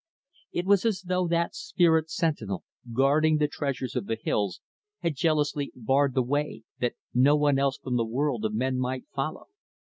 It was as though that spirit sentinel, guarding the treasures of the hills, had jealously barred the way, that no one else from the world of men might follow.